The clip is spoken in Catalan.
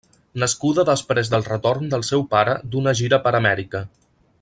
Nascuda després del retorn del seu pare d'una gira per Amèrica.